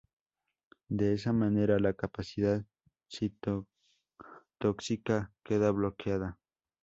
De esa manera la capacidad citotóxica queda bloqueada.